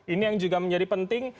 ini yang juga menjadi penting